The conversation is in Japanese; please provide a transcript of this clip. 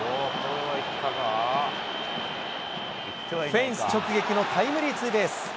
フェンス直撃のタイムリーツーベース。